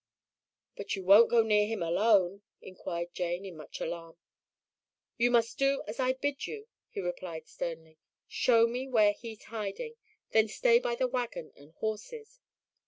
"But you won't go near him alone?" inquired Jane in much alarm. "You must do as I bid you," he replied sternly. "Show me where he's hiding, then stay by the wagon and horses."